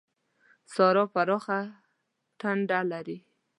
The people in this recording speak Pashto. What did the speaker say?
سارا پراخه ټنډه لري.